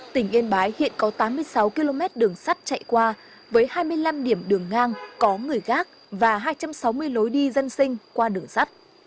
tỉnh yên bái hiện có tám mươi sáu km đường sắt chạy qua với hai mươi năm điểm đường ngang có người gác và hai trăm sáu mươi lối đi dân sinh qua đường sắt